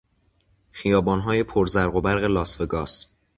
خیابانهای پر زرق و برق لاسوگاس